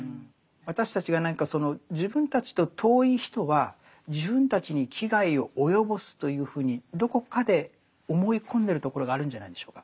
私たちが何かその自分たちと遠い人は自分たちに危害を及ぼすというふうにどこかで思い込んでるところがあるんじゃないんでしょうか。